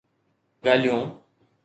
ڳالهيون